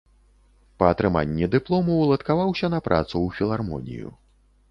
Па атрыманні дыплому ўладкаваўся на працу ў філармонію.